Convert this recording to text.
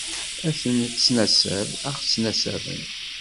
Ad tennettnasab, ad ɣ-ttnasaben.